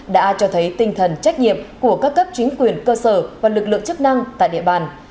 đã cho thấy tinh thần trách nhiệm của các cấp chính quyền cơ sở và lực lượng chức năng tại địa bàn